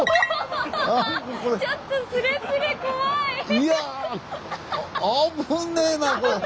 いやぁ危ねえなこれ！